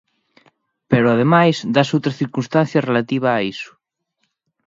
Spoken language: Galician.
Pero, ademais, dáse outra circunstancia relativa a iso.